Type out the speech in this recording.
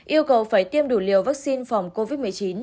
yêu cầu phải tiêm đủ liều vaccine phòng covid một mươi chín